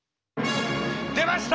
出ました！